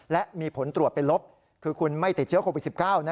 และมีผลตรวจเป็นลบคือคุณไม่ติดเชื้อโควิด๑๙